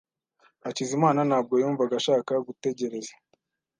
Hakizimana ntabwo yumvaga ashaka gutegereza.